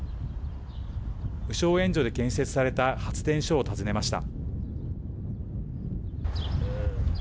無償援助で建設された発電所を訪ねました。